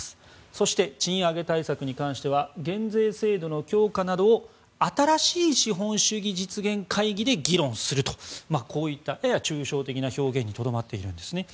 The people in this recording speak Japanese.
そして、賃上げ対策に関しては減税制度の強化などを新しい資本主義実現会議で議論するとこういった、やや抽象的な表現にとどまっているんですね。